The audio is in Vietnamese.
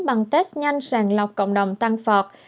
bằng test nhanh sàng lọc cộng đồng tăng phọt